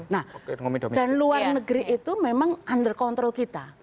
nah dan luar negeri itu memang under control kita